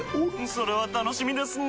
それは楽しみですなぁ。